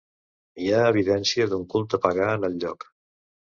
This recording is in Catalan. Hi ha evidència d'un culte pagà en el lloc.